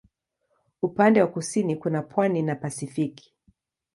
Upande wa kusini kuna pwani na Pasifiki.